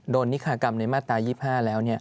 นิคากรรมในมาตรา๒๕แล้ว